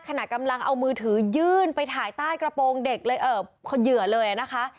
ขณะกำลังเอามือถือยื่นไปถ่ายใต้กระโปรงเด็กคนเหยื่อเลยนะคะ